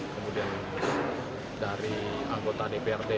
kemudian dari anggota dprd